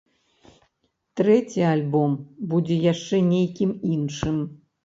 Трэці альбом будзе яшчэ нейкім іншым.